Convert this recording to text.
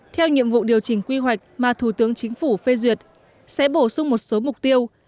theo nhiệm vụ điều chỉnh quy hoạch mà thủ tướng chính phủ phê duyệt sẽ bổ sung một số mục tiêu